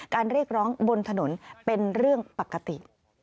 เรียกร้องบนถนนเป็นเรื่องปกติ